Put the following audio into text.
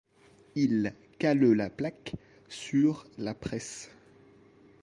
Il cale la plaque sur la presse.